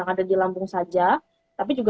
yang ada di lampung saja tapi juga